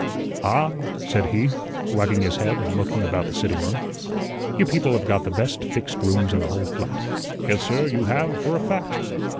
"Ah!" said he, wagging his head and looking about the sitting room, "you people have got the best fixed rooms in the whole flat. Yes, sir; you have, for a fact."